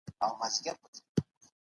څېړنه وکړئ ترڅو د پوهاوي کچه مو لوړه سي.